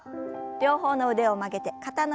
両方の腕を曲げて肩の横へ。